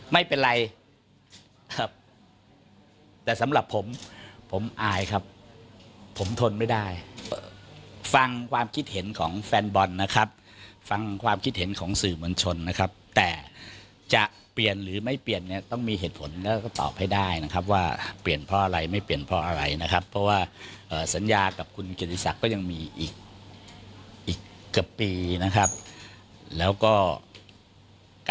ไม่เป็นไรครับแต่สำหรับผมผมอายครับผมทนไม่ได้ฟังความคิดเห็นของแฟนบอลนะครับฟังความคิดเห็นของสื่อมวลชนนะครับแต่จะเปลี่ยนหรือไม่เปลี่ยนเนี่ยต้องมีเหตุผลแล้วก็ตอบให้ได้นะครับว่าเปลี่ยนเพราะอะไรไม่เปลี่ยนเพราะอะไรนะครับเพราะว่าสัญญากับคุณเกียรติศักดิ์ก็ยังมีอีกอีกเกือบปีนะครับแล้วก็ก